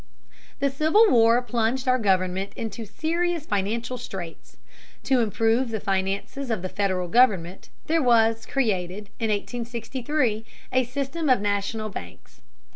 The Civil War plunged our government into serious financial straits. To improve the finances of the Federal government there was created, in 1863, a system of national banks.